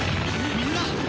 みんな！